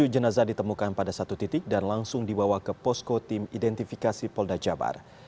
tujuh jenazah ditemukan pada satu titik dan langsung dibawa ke posko tim identifikasi polda jabar